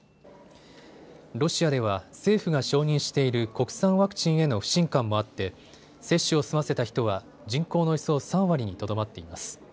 ロシアでは政府が承認している国産ワクチンへの不信感もあって接種を済ませた人は人口のおよそ３割にとどまっています。